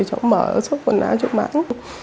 cháu mở sốt quần áo chút mãn